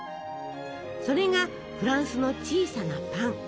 それが「フランスの小さなパン」。